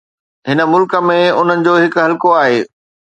هن ملڪ ۾ انهن جو هڪ حلقو آهي.